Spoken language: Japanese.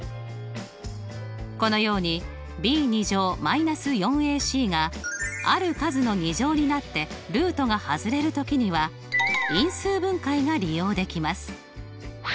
このようにｂ−４ｃがある数の２乗になってルートが外れる時には因数分解が利用できます。